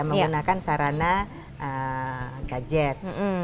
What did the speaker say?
menggunakan sarana gadget